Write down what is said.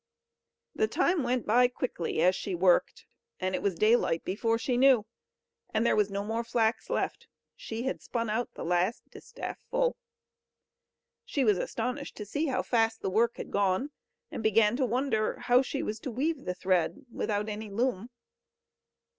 The time went by quickly, as she worked, and it was daylight before she knew. And there was no more flax left; she had spun out the last distaff full. She was astonished to see how fast the work had gone, and began to wonder how she was to weave the thread without any loom.